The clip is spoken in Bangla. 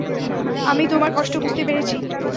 আমি তোমার কষ্ট বুঝতে পেরেছি।